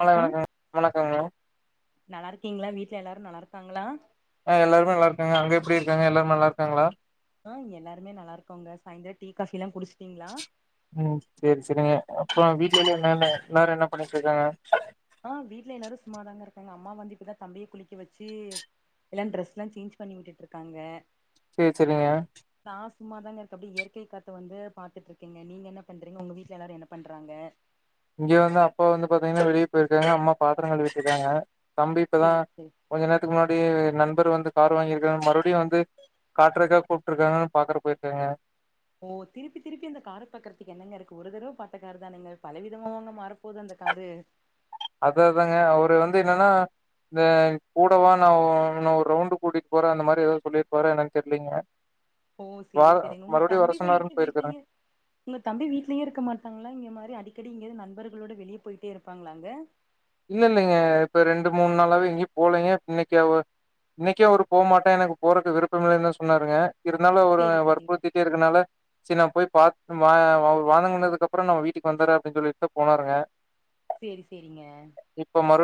காலை வணக்கங்க வணக்கங்க நல்லா இருக்கீங்களா வீட்ல எல்லாரு நல்லா இருக்காங்களா ஆ எல்லாருமே நல்லா இருக்காங்க அங்க எப்டி இருக்காங்க எல்லாருமே நல்லா இருக்காங்களா ஆ எல்லாருமே நல்லா இருக்கோங்க சாயந்திரோ டீ காஃபில்லா குடிச் ம் சேரி சேரிங்க அப்புறோ வீட்ல என்ன என்ன எல்லாரு என்ன பண்ணிட்டு இருக்காங்க ஆ வீட்ல எல்லாரு சும்மாதாங்க இருக்காங்க அம்மா வந்து இப்பதா தம்பிய குளிக்க வச்சு எல்லா டிரெஸ்ல்லா சேஞ்ச் பண்ணி விட்டுருக்காங்க சேரி சேரிங்க சும்மாதாங்க இருக்க அப்டே இயற்கை காத்த வந்து பாத்துட்டு இருக்கேங்க நீங்க என்ன பண்றீங்க உங்க வீட்ல எல்லாரு என்ன பண்றாங்க இங்க வந்து அப்பா வந்து பாத்தீங்கன்னா வெளிய போயிருக்காங்க அம்மா பாத்தரோ கழுவிட்ருக்காங்க தம்பி இப்பதா சேரி சேரி கொஞ்ச நேரத்துக்கு முன்னாடி நன் பர் வந்து கார் வாங்கிருக்கர மறுபடியு வந்து காட்றக்கா கூப்ட்ருக்கானு பாக்குற போயிருக்காங்க ஓ திருப்பி திருப்பி அந்த கார பாக்கறத்துக்கு என்னங்க இருக்கு ஒரு தடவ பாத்தக்காருதானங்க பல விதமாவாங்க மாறப்போது அந்த காரு அதா அதாங்க அவரு வந்து என்னன்னா இந்த கூடவா நா ஒ ஒன்ன ஒரு ரவுண்டு கூட்டிட்டு போற அந்த மாரி ஏதாவது சொல்லிருபாரா என்னன்னு தெரியலீங்க ஓ சேரி சேரிங்க உங்க தம்பி வந்துட்டு சொன்னாருன்னு போயிருக்காருங்க வீட்லயே உங்க தம்பி வீட்லயே இருக்க மாட்டாங்களா இங்க மாரி அடிக்கடி இங்யாது நண்பர்களோட வெளிய போயிட்டே இருப்பாங்களாங்க இல்ல இல்லைங்க இப்ப ரெண்டு மூணு நாளாவே எங்கயு போலேங்க இன்னைக்கு அவ இன்னைக்கு அவரு போ மாட்ட எனக்கு போறக்கு விருப்பமே இல்லனு சொன்னாருங்க இருந்தாலு அவரு சேரி சேரிங்க வற்புறுத்திட்டே இருக்கனால சேரி நா போய் பாத் வா அவரு வாங்கங்கனதுக்கு அப்புறோ நா வீட்டுக்கு வந்தற அப்டின்னு சொல்லிட்டு தா போனாருங்க சேரி சேரிங்க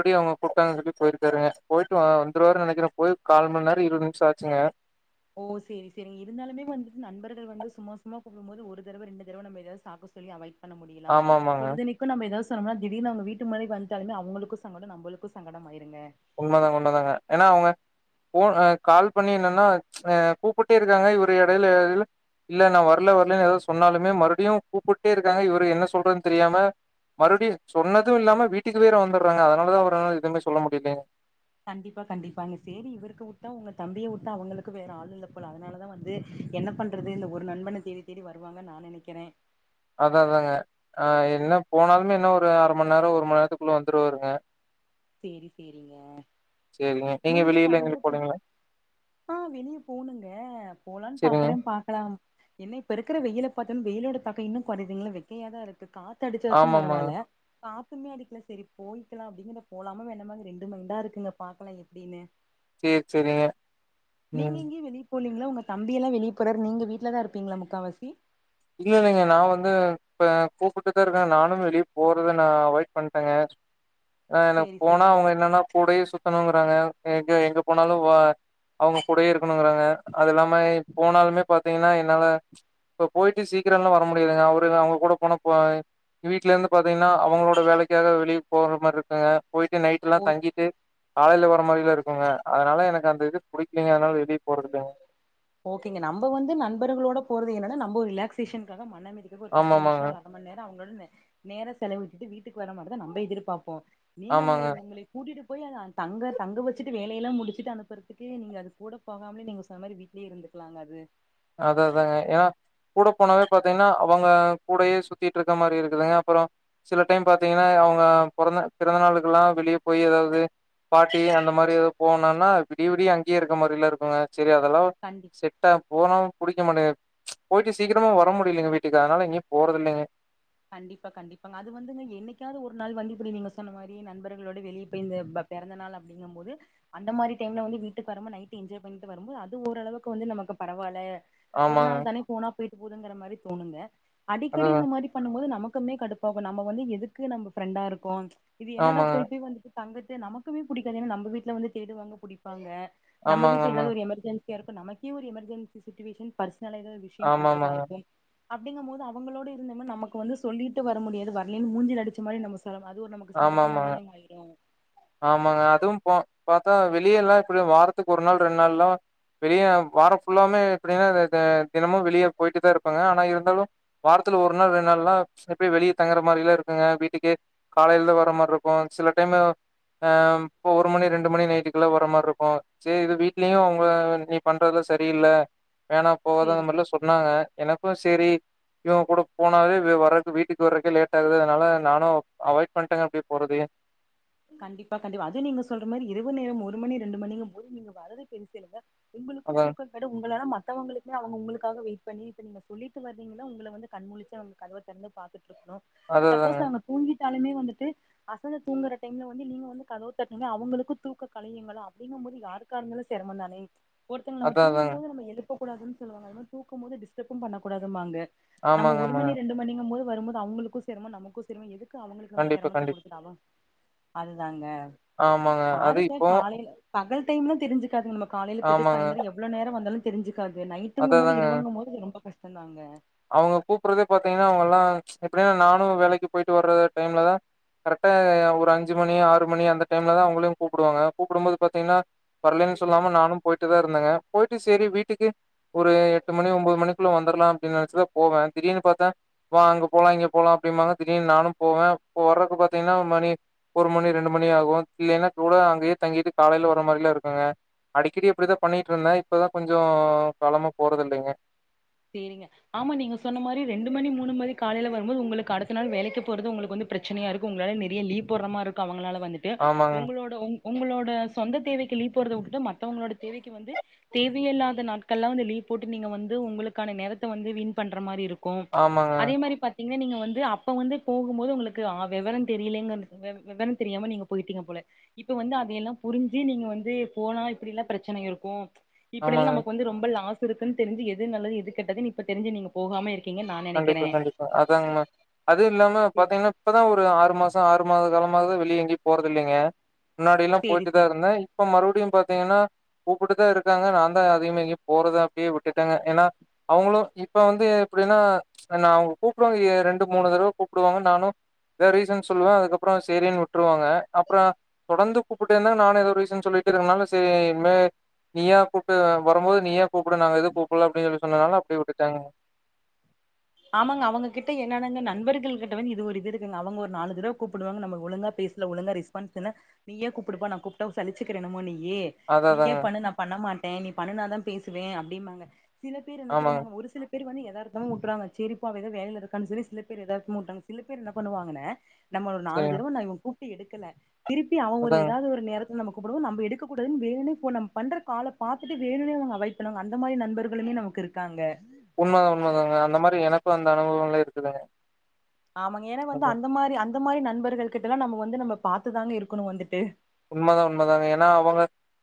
ப்டி அவுங்க கூப்டாங்க சொல்லி போயிருக்காருங்க போயிட்டு வா வந்துருவார்னு நினைக்கற போய் கால்ம நேரோ இருவது நிம்ஷோ ஆச்சுங்க ஓ சேரி சேரிங்க கூப்டும் போது ஒரு தடவ ரெண்டு தடவ நம்ம எதயாது சாக்க சொல்லி அவாய்ட் பண்ண முடியலா ஆமாமாங்க. பொழுதுைக்கு நம்ம எதாது சொ சொன்னோம்னா திடீர்னு அவுங்க வீட்டு மாரி வன்டாலுமே அவங்களுக்கு சங்கடோ நம்மளுக்கு சங்கடம் ஆயிரு உண்மதாங்க உண்மதாங்க என்னா அவங்க போ அ கால் பண்ணி என்னன்னா அ கூப்புட்டே இருக்காங்க இவரு இடையில இல்ல நா வரல வரலன்னு ஏதாவது சொன்னாலுமே மறுபுடியு கூப்புட்டே இருக்காங்க இவருக்கு என்ன சொல்றதுன்னு தெரியாம மறுபடியு சொன்னது இல்லாம வீட்டுக்கு வேற வந்துடுறாங்க அதனால தா அவரால எதுமே சொல்ல முடியல கண்டிப்பா கண்டிப்பாங்க சேரி இவருக்கு விட்டா உங்க தம்பிய விட்டா அவங்களுக்கு வேற ஆள் இல்ல போல அதனாலதா வந்து என்ன பண்றது இந்த ஒரு நண்பன தேடி தேடி வருவாங்கன் நா நெனைக்கிறே அதா அதாங்க ஆ என்ன போனாலுமே என்ன ஒரு அரை மண் நேர ஒரு மண் நேரத்துக்குள்ள வந்துருவாருங்க செரி செரிங்க சேரிங்க நீங்க வெளியில சாயந்திர எங்கயு போலீங்களா ஆ வெளியே போணுங்க போலான் சேரிங்க பாக்குறே பாக்கலாம் என்ன இப்ப இருக்கிற வெயில பாத்தன்னு வெயிலோட பாக்க இன்னு கொறைதுங்ளா வெக்கையாதா இருக்கு காத்தடிச்சாச்சு ஆமா ஆமாங்க பரவால்ல காத்துமே அடிக்கல செரி போயிக்கலா அப்டிங்கற போலாம வேணாமான் ரெண்டு மைண்டா இருக்குங்க பாக்கலா எப்டின்னு சேர் செரிங்க நீங்க எங்கெயு வெளிய போலிங்ளா உங்க தம்பியெல்லா வெளிய போறாரு நீங்க வீட்லதா இருப்பிங்ளா முக்காவாசி இல்ல இல்லைங்க நா வந்து இப்ப கூப்பிட்டுதா இருக்காங் நானு வெளிய போறத நா அவாய்ட் பண்ட்டங்க ஆ எனக்கு சேரி போனா சேரிங்க அவங்க என்னன்னா கூடயே சுத்தணு ங்றாங்க எங்க எங்க போனாலு வா அவங்க கூடயே இருக்கணுங்கிறாங்க அது இல்லாம போனாலுமே பாத்திங்னா என்னால இப்ப போயிட்டு சீக்கிரல்லா வர முடியாதுங்க அவரு அவங்க கூட போனா போய் வீட்ல இருந்து பாத்திங்னா அவங்களோட வேலைக்காக வெளிய போற மாரி இருக்குங்க போயிட்டு நைட் எல்லா ஓ தங்கிட்டு காலையில வர மாரிலா இருக்குங்க அதனால எனக்கு அந்த இது புடிக்கலிங்க அதனால வெளிய போறது இல்லைங்க ஓகேங்க நம்ம வந்து நண்பர்களோட போறது என்னன்னா நம்ம ரிலாக்சேஷனுக்காக மன நி ஒரு ஆமா பத்து ஆமாங்க நிம்ஷஒரு அரமண் நேரோ அவ்ங்ளோட ந நேர செலவிட்டுட்டு வீட்டுக் வரமாரி தா நம்ப எதிர் பாப்போ நீங்க உங்களை ஆமாங்க உங்களை கூட்டிட்டு போய் அத தங்க தங்க வச்சிட்டு வேலையெல்லாம் முடிச்சிட்டு அனுப்புறதுக்கு நீங்க அது கூட போகாமலே நீங்க சொன்ன மாரி வீட்லே இருந்துக்லாங்க அது அதா அதாங்க ஏனா கூட போனவே பாத்தீங்கனா அவங்க கூடயே சுத்திட்டு இருக்க மாதிரி இருக்குதுங்க அப்றோ சில டைம் பாத்தீங்கன்னா அவுங்க பொறந்த பிறந்த நாளுக்கெல்லா வெளியே போயி எதாவ்து பார்ட்டி அந்த மாரி எ தோ போனன்னா விடிய விடிய அங்கேயே இருக்கற மாறில்ல இருக்குங்க செரி அதல்லா கண்டி செட்டா போனோ புடிக்க மாட்டேங் போய்ட்டு சீக்கிரமா வர முடிலங்க வீட்டுக்கு அதனால எங்கயு போறதில்லைங்க கண்டிப்பா கண்டிப்பாங்க அது வந்துங்க என்னைக்காவ்து ஒரு நாள் வந்து இப்டி நீங்க சொன்ன மாறி நண்பர்களோட வெளியே போய் இந்த பெறந்த நாள் அப்டிங்க போது அந்த மாரி டைம்ல வந்து வீட்டுக்காரவங்க நைட் என்ஜாய் பண்ணிட்டு வரும்போது ஓரளக்கு வந்து நமக்கு பரவால்ல ஒரு ஆமாங்க நாள் தானே போனா போயிட்டு போதுங்கற மாரி தோணுங்க அது அடிக்கடி இந்த மாரி போது நமக்குமே கடுப்பாகு நம்ம வந்து எதுக்கு நம்ம ஃப்ரெண்டா இருக்கோ இது என்னடா ஆமாங்க போய் போய் வந்துட்டு தங்குத்து நமக்குமே புடிக்காது ஏன்னா நம்ம வீட்ல வந்து தேடுவாங்க புடிப்பாங்க நம்ம ஆமாங்க வீட்ல ஆமாங்க எதாவ்து ஒரு எமர்ஜென் சியாருக்கு நமேக்கே ஒரு எமர்ஜென்சி சிட்ச்சுவேஷன் பர்ஸ்னலா எதோ விஷ்யோ பண்றதா ஆமாமாங்க இருக்கு அப்டிங்கபோது அவுங்களோடு இருந்தே நமக்கு வந்து சொல்லிட்டு வர முடியாது வரலன்னனு மூஞ்சில அடிச்ச மாரி நம்ம சொல்லம அது ஒரு நமக்கு சங்கட்டமா ஆமாமாங்க தானேங்க ஆயிரு ஆமாங்க அதுவு போ பாத்தா வெளியல்லா இப்டி வாரத்துக்கு ஒரு நாள் ரெண்டு நாள் எல்லா வெளிய வாரோ ஃபுல்லாமே இப்டே த தெனமு வெளிய போட்டு தா இருப்பாங்க ஆனா இருந்தாலு வார துல ஒரு நாள் ரெண்டு நாள்ல்லா வெளியே தங்குற மாறி லா இருக்குங்க வீட்டுக்கே காலைல தா வர்ற மாரி இருக்கு சில டைம் அ இப்ப ஒரு மணி ரெண்டு மணி நைட்டுக்குல்ல வர மாரி இருக்கு சேரி இது வீட்லயு அவுங்க நீ பண் ட்றதுல்ல சரி இல்ல வேணா போவாதா சேரி அந்த மாறில்லா சொன்னாங்க எனக்கு சேரி இவங் கூட போனாவே வெ வர்றது வீட்டுக்கு வர்றக்கே லேட்டாகுது அனால நானு அவாய்ட் பண்ட்டங்க அப்டே போறதயே கண்டிப்பா கண்டிபா அது நீங்க சொல்ற மாறி இரவு நேரம் ஒரு மணி ரெண்டு மணிங்கம் போது நீங்க வர்றது பெருசில்லங்க உங்களுக்கு அதாங்க தூக்கொ கெடு உங்களாலா மத் தவங்களுக்மே அவுங்க உங்ளுக்காக வெயிட் பண்ணி இப்ப நீங்க சொல்லிட்டு வர்றீங்கனா உங்கள வந்து கண் முழிச்சு அவுங்க கதவ தெறந்து பாத்துட் அது அதாங்க சப்போஸ் அவுங்க தூங்கிட்டாலுமே வந்துட்டு அசந்து தூங்குற டைம்ல வந்து நீங்க வந்து கதவு தட்டிங்னா அவுங்களுக்கு தூக்கொ களயுங்களா அப்டிங்கம்போது யாருக்கா இருந்தாலு செரமோந்தானே ஒருத்தங்க நம்ம அதா தூங்கும் அதாங்க போது நம்ம எழுப்பக் கூடாதுன் சொல்லுவாங்க அது மாரி தூக்கொம் போது டிஸ்ட்டப்பும் பண்ணக் கூடாதும்பாங்க நம்ம ஆமாங்க ஒரு ஆமாங்க மணி ரெண்டு மணிங்கம் போது வரும் போது அவுங்களுக்கு செரமோ நமக்கு சேரமோ எதுக் கு அவுங்களுக்கு நம்ம கண்டிப்பா சிரமத்த கண்டிப்பா குடுத்துட்டாவோ அதுதாங்க ஆமாங்க அது பாருக்க இப்போ காலைல பகல் டைம்லா தெரிஞ்சுக்காது நம்ம காலைல போய்ட்டு ஆமாங்க சாய்ந்திரோ எவ்ளோ நேரோ வந்தாலு தெரிஞ்சு க்காது நைட்டுங்க போது இரவுங்கு போது ரொம்ப கஷ்டோதாங்க அவுங்க கூப்டறதே பாத்தீங்கன்னா அவுங்க எல்லா எப்டினா நானு வேலைக்கு போயிட்டு வர்ற டைம்லதா கரக்டா ஒரு அஞ்சு மணி ஆறு மணி அந்த டைம்லதா அவங்களையு கூப்புடுவாங்க கூப்புடும்போது பாத்தீங்கன்னா வரலன்னு சொல்லாம நானு போய்ட்டு தா இருந்தேங்க போய்ட்டு சரி வீட்டுக்கு ஒரு எட்டு மணி ஒம்போது மணிக்குள்ள வந்தர்லா நெனச்சு தா போவ தீடீர்னு பாத்தா வா அங்க போலா இங்க போலா அப்டிபாங்க திடீர்னு நானு போவ இப்போ வர் [unintelligible] பாத்தீங்கன்னா மணி ஒரு மணி ரெண்டு மணி ஆகு இல்லேன்னா கூட அங்கேயே தங்கிட்டு காலைல வர மாறிலா இருக்குங்க அடிக்கடி அப்டிதா பண்ணிட்டு இருந்தே இப்பதா கொஞ்சோ காலமா போறதுல்லைங்க சேரிங்க ஆமா நீங்க சொன்ன மாறி ரெண்டு மணி மூணு மணி காலைல வரும்போது உங்களுக்கு அடுத்த நாள் வேலைக்கு போறது உங்களுக்கு வந்து பிரச்சனையாருக்கு ஒங்களால நெறைய லீவ் போட்ற மாருக்கு அவுங்களால வந்துட்டு ஆமாங்க ஒங்களோட ஒங் ஒங்களோட சொந்த தேவைக்கு லீவ் போறத உட்டுட்டு மத்தவங்களோட தேவைக்கு வந்து தேவையேயில்லாத நாட்கள்ல்லா வந்து லீவ் போட்டு நீங்க வந்து ஒங்களுக்கான நேரத்த வந்து வீண் பண்ற மாறி இருக்கு ஆமாங்க அதே மாறி பாத் நீங்க வந்து அப்ப வந்து போகும்போது உங்களுக்கு அ வெவரோ தெரியலங்க வெவ் வெவரோ தெரியாம நீங்க போயிட்டிங்க போல இப்ப வந்து அதயெல்லா புரிஞ்சு நீங்க வந்து போனா இப்டில்லா பிரச்சனை இருக்கு இப்டில்ல ஆமாங்க. நமக்கு வந்து ரொம்ப லாஸ் இருக்குன்னு தெரிஞ்சு எது நல்லது இது கெட்டதுன்னு இப்ப தெரிஞ்சு நீங்க போகாம இருக் கண்டிப்பா கண்டிப்பா அதா உண்ம அது இல்லாம பாத்தீங்கன்னா இப்பதா ஒரு ஆறு மாசோ ஆறு மாத காலமா ம்மாவே வெளிய எங்கியு போறதில்லைங்க முன்னாடியெல்லா சேரி போயிட்டு தா சேரி இருந்தே இப்ப மறுபடி இப்பயு பாத்தீங்கன்னா கூப்புட்டு தா இருக்காங்க நாந்தா அதிகமா எங்கேயு போறதா அப்டியே விட்டுட்டங்க ஏன்னா அவுங்களு இப்ப வந்து எப்டின்னா நா அவுங்க கூப்புடுவாங்க ரெண்டு மூணு தடவ கூப்புடுவாங்க நானு தா ரீசன் சொல்லுவ அதுக்கப்றோ சேரின்னு விட்டுருவாங்க அப்றோ தொடந்து கூப்புட்டேருந்தா நானு ஏதோ ரீசன் சொல்லி க்கிறனால சேரி இன்மே நீயா கூப்டு வரும்போது நீயா கூப்டு நாங்க எது கூப்பல அப்டின்னு சொல்லி சொன்னதுனால அப்டியே விட்டுட்டாங்க [unintelligible] ஆமாங்க அவங்க கிட்ட என்னங்க நண்பர்கள் கிட்ட வந்து இது ஒரு இது இருக்குங்க அவங்க ஒரு நாலு தடவ கூப்புடுவாங்க நாம ஒழுங்கா பே சுனா ஒழுங்கா ரெஸ்பான்ஸ் நீயே கூப்புடுப்பா நாகூப்ட்டா சலிச்சுகிற என்னமோ நீ ஏ அதான் நீ ஏ அதாங்க. பண்ணு நா பண்ண மாட்டே நீ பண்ணுனாதா பேசுவே அப்படிம்பங்க சில பேர் என்ன ஆமாங்க தெரியுமாங்க ஒரு சில பேர் வந்து எதார்த்தமு விட்டுறாங்க சரிப்பா அவ எதா வேல இருக்கானு சொல்லி சரி சில பேர் எதாத்தமா விட்டாங்க சில பேர் என்ன பண்ணுவாங்கன்ன நம்ம ஒரு நாலு சரிங்க தடவ நா இவ கூப்ட்டு எடுக்கல திருப்பி அவ ஒரு அதாங்க. ஏதாவது ஒரு நேரத் நம்ம கூப்டுவோ நம் எடுக்க கூடது வேண்னே போன நம்ம பண்ற கால்ல பாத்துட்டு வேணுன்னே அவாய்ட் பண்ணுவாங்க அந்த மாரி நண்பர்களையு நமக்கு இருக்காங்க உண்மதா உண்மதாங்க அந்த மாரி எனக்கு அந்த அனுபவம்ல இருக்குதுங்க ஆமாங்க ஏன்னா வந்து அதா அந்த மாரி அந்த மாரி நண்பர்கள் கிட்டெல்லா நம்ம வந்து நம்ம பாாரத்துதாங்க இருக்கணு வந்துட்டு உண்மதா உண்மதாங்க ஏன்னா அவங்க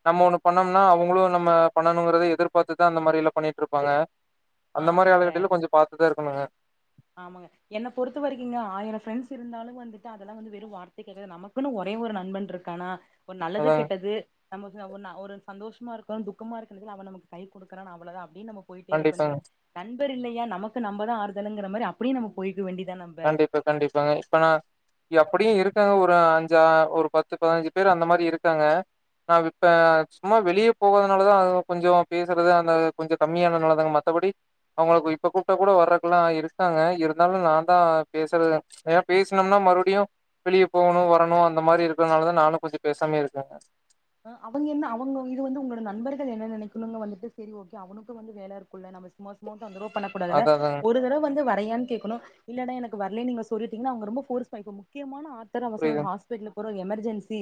நம்ம ஒண்ணு பண்ணோம்னா அவங்களு நம்ம பண்ணணுங்கறத எதிர்பாத்துதா அந்த மாரில்லா பண்ணிட்ருப்பாங்க அந்த மாரி ஆமாங்க ஆளுகிட்டலா கொஞ்ச பாத்துதா இருக்கணுங்க ஆமாங்க என்ன பொறுத்த வரைக்கீங்க ஆயிர ஃப்ரண்டஸ் இருந்தாலு வந்துட்டு அதெல்லா வ வெறு வார்த்தை [unintelligible] நமக்குன்னு ஒரே ஒரு ஒரு நண்பன் இருக்கானா ஒரு நல்லது அதாங்க. கெட்டது நம்ம நா ஒரு சந்தோஷமா இருக்கோ துக்கமா இருக்கிறதுல அவ நமக்கு கை குடுக்குறா அவ்வளதா டியே நம்ம போயிட்டே இருக்கணு கண்டிப்பாங்க. நண்பர் இல்லையா நமக்கு நம்மதா ஆறுதலுங்க மாரி அப்டியே நம்ம போய் கண்டிப்பா கண்டிப்பாங்க இப்பனா அப்டியு இருக்காங்க ஒரு அஞ்சா ஒரு பத்து பதினஞ்சு பேர் அந்த மாரி இருக்காங்க நா இப்ப சும்மா வெளியே போகாதுனாலதா அது கொஞ்ச பேசறது அந்த கொஞ்ச கம்மியானதுனால தாங்க மத்த படி அவங்களுக்கு இப்ப கூப்ட்ட கூட வர்றக்கலா இருக்காங்க இருந்தாலு நான் தா பேசுறது ஏ பேசனம்னா மறுபடியு வெளியே போகணு வரணு அந்த மாரி இருக்கிறதுனாலதா நானு கொஞ்ச பேசாமே இருக்கேங்க அவங்க என்ன அவங்க இது வந்து உங்களோட நண்பர்கள் என்ன நெனைக்கணுங்க வந்துட்டு சரி ஓகே அவனுக்கு வந்து வேலை இருக்கும்ல [unintelligible] வந்து ரோப் பண்ணக்கூடாது அதா அதாங்க ஒரு தடவ வந்து வ இப்ப ஏன்னு கேட்கனு இல்லனா எனக்கு வர்லினு நீங்க சொல்லிட்டீங்கன்னா ரொம்போ ஃபோர்ஸ் பண்ணிக் முக்கியமான ஆத்தர அவசர ஒரு புரியுதுங் ஹாஸ்பிடல் ஒரு எமர்ஜென்சி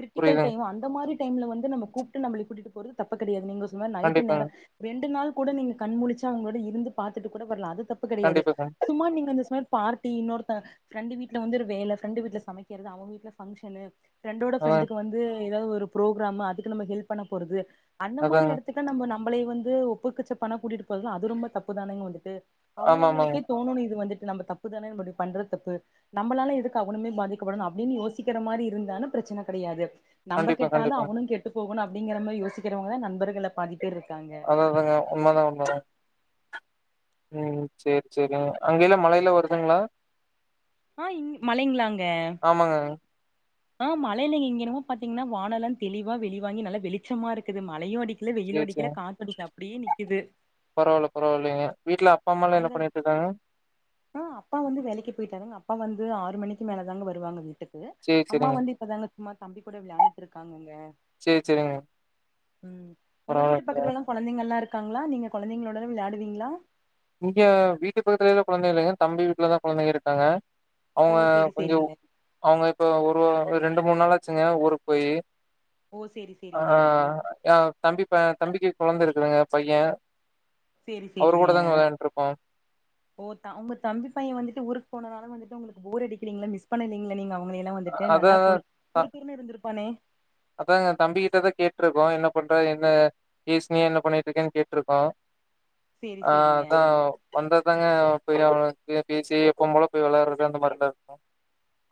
கிரிட்டிக்கல் புரியுதுங் டைம் அந் த மாரி டைம்ல வந்து நம்ம கூப்பிட்டு நம்மள கூட்டிட்டு போறது தப்ப கெடையாது நீங்க சொன்ன மாரி நைட்டு நேரோ கண்டிப்பாங்க ரெண்டு நாள் கூட நீங்க கண்மூழிச்சா அவுங்களோட இருந்து பாத்துட்டு கூட வரலா அது தப்பு கெடையாது கண்டிப்பாங்க சும்மா நீங்க அந்த செம் பார்டி இன்னொருத்த ஃப்ரெண்டு வீட்ல வந்து ஒரு வேல ஃப்ரெண்டு வீட்ல சமைக்கிறது அவன் வீட்ல ஃபங்க்ஷனு ஃப்ரெண்டோட அதாங்க ஃப்ரெண்டுக்கு வந்து எதாவது ஒரு ப்ரோக்ராம் அதுக்கு நம்ம ஹெல்ப் பண்ண போறது அந்த மாரி அதாங்க எடத்துக்கு நம்ம நம் மளே வந்து ஒப்புக்கு சப்பானா கூட்டிட்டு போறது அது ரொம்ப தப்பு தானங்க வந்துட்டு அவுங்க ஆமா ஆமாங்க அவுங்களுக்கே தோனணு இது வந்து நம்ம தப்புதானே இப்டி பண்ற தப்பு நம்மளால எதுக்கு அவனுமே பாதிக்கப்படுனு அப்டின்னு யோசிக்கிற மாரி இருந்தான பிர ச்சனை கெடையாது நம்ம கண்டிப்பா கெட்டாலு கண்டிப்பாங்க அவனு கெட்டு போகுணு அப்படிங்கிற மாரி யோசிக்கிறவங்கள நண்பர்கள பாதி பேர் இருக்காங்க அதாதாங்க உண்மதா உண்மதா ம் சேரி சேரிங் அங்கெல்லா மழையெல்லா வருதுங்ளா ஆ இங் மழைங்களாங்க ஆமாங்க ஆ மழை இல்லைங்க இங்க என்னமோ பாத்தீங்கன்னா வானெல்லா தெளிவா வெளி வாங்கி நல்லா வெளிச்சமா இருக்குது மழையு அடி க்கல வெய்யிலு சேரி அடிக்கல சேரிங்க காத்தடிக்கல அப்டியே நிக்குது பரவால்ல பரவால்லைங்க வீட்ல அப்பா அம்மா எல்லா என்ன அங்க பண்ணிட்டு இருக்காங்க ஆ அப்பா வந்து வேலைக்கு போயிட்டாருங் அப்பா வந்து ஆறு மணிக்கு மேலதாங்க வருவாங்க வீட்டுக்கு சேரி அம்மா சேரிங்க. வந்து இப்பதாங்க சும்மா தம்பி கூட விளாண்டுட்டு இருக்காங்கங்க செரி செரிங்க ம் உங்க வீட்டு பக்கத்துல எல்லா கொழந்தைங்க எல்லா இருக்காங்ளா நீங்க கொழந்தைங்களோட எல்லா விளையாடுவீங்ளா இங்க வீட்டு பக்கத்துல எல்லா கொழந்தைங்க இல்லங்க தம்பி வீட்டுலதா கொழந்தைங்க இருக்காங்க ஓ அவுங்க சேரி கொஞ்சோ சேரிங்க அவுங்க இப்ப ஒரு ரெண்டு மூணு நாளாச்சுங்க ஊருக்கு போய் ஓ சேரி ஆ சேரிங்க யா தம்பிப்ப தம்பிக்கு கொழந்த இருக்குதுங்க பையன் சேரி அவரு சேரிங்க கூட தாங்க விளையாண்ட்ருக்கோம். ஓ தம் உங்க தம்பி பையன் வந்துட்டு ஊருக் போனாலு வந்துட்டு உங்களுக்கு போர் அடிக்கீங்ளா மிஸ் பண்ணலிங்ளா நீங்க அவ ங்கள எல்லா வந்துட்டு நல்லா அதான் பொழு அ துரு துருனு இருந்திருப்பானே அதாங்க தம்பிக்கிட்டதா கேட்டுருக்கோ என்ன பண்ற என்ன பேசுனியா என்ன பண்ணிட்டுருக்கனு கேட்டிருக்கோ சேரி ஆ சேரிங்க அதா வந்தாதாங்க போய் அவுங் பேசி எப்பவும் போல போய் விளாடறது அந்த மாரிதா இருக்கு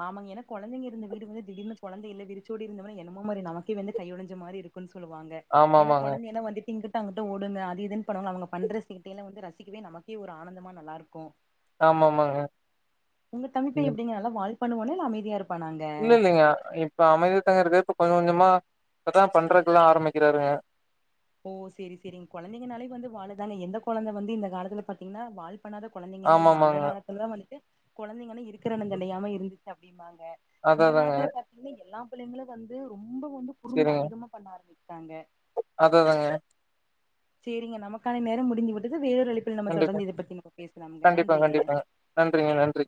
ஆமாங்க ஏனா கொழந்தைங்க இருந்த வீடு வந்து திடீர்னு கொழந்த இல்ல வெரிச்சோடி இருந்த மாரி என்னமோ மாரி நமக்கே வந்து கையோடஞ்ச மாரி இருக்குன் சொல்லுவாங்க ஏனா ஆமாமாங்க. கொழந்தையெல்லா வந்துட்டு இங் இங்கிட்டு அங்கிட்டு ஓடுங்க அது இதுன்னு பண்ணுவாங்க அவுங்க பண்ற சேட்டையில வந்து ரசிக்கவே நமக்கே ஒரு ஆனந்தமா நல்லா இருக்கு ஆமாமாங்க உங்க தம்பி ம். பைய்ய எப்படிங்க நல்ல வால் பண்ணுவானா இல்ல அமைதியா இருப் இல்ல இல்லைங்க இப்ப அமைதியதாங்க இருக்கு இப் கொஞ்ச கொஞ்சமா இப்பதா பண்றக்கெல்லா ஆரம்பிக்கிறாருங்க ஓ சேரி சேரி கொழந்தைங்கனாலே வந்து வாழுதாங்க எந்த கொழந்த வந்து இந்த காலத்துல பாத்தீங்கன்னா வால் பண்ணாத கொழந்தைங்களே ஆமா இல்ல அந்த ஆமாங்க காலத்துலதா வந்துட்டு கொழந்தைங்க இருக்கிற எடந் தெரியாம இருந்துச்சுங்க அப்டிம்பா ங்க அதா இந்த அதாங்க காலத்துல பாத்தீங்கன்னா எல்லா பிள்ளைங்களு வந்து ரொம்ப வந்து குறும்பு அதிகமா பண்ணா ஆரம்பி அததுதாங்க சேரிங்க நமக்கான நேரம் முடிந்து விட்டது வேரு அழைப்பில் நம்ம கண்டிப்பா தொடர்ந்து இத பத்தி நம்ம பேசலாங்க கண்டிப்பா நன்றிங்க கண்டிப்பாங்க நன்றிங்க நன்றி